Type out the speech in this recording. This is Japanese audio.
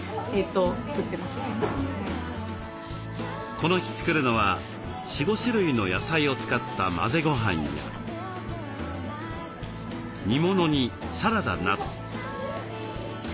この日作るのは４５種類の野菜を使った混ぜごはんや煮物にサラダなど。